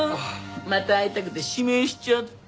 また会いたくて指名しちゃった。